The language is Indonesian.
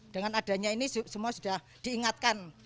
dengan adanya ini semua sudah diingatkan